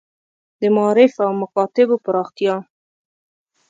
د معارف او مکاتیبو پراختیا.